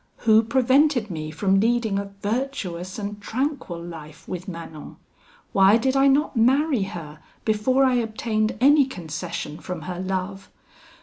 Who prevented me from leading a virtuous and tranquil life with Manon? Why did I not marry her before I obtained any concession from her love?